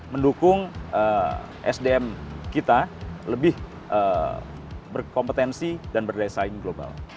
mendukung sdm kita lebih berkompetensi dan berdaya saing global